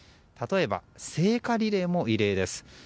例えば聖火リレーも異例です。